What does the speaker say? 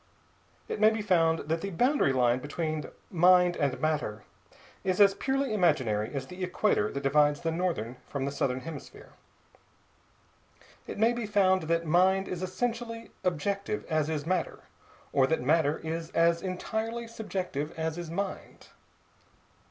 It may be found that the boundary line between mina and matter is as purely imaginary as the equator that divides the northern from the southern hemisphere. It may be found that mind is essentially objective as is matter, or that matter is as entirely Subjective as is mind.